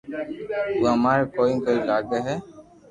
تو اماري ڪوئي ڪوئي لاگو ھي